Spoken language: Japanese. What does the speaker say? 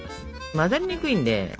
混ざりにくいんで。